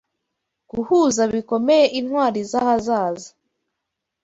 Guhuza bikomeye intwari zahazaza